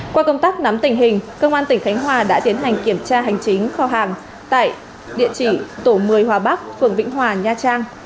qua công tác nắm tình hình công an tỉnh khánh hòa đã tiến hành kiểm tra hành chính kho hàng tại địa chỉ tổ một mươi hòa bắc phường vĩnh hòa nha trang